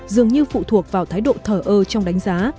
dường như phụ thuộc vào thái độ thở ơ trong đánh giá